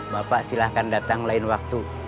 bapak silahkan datang lain waktu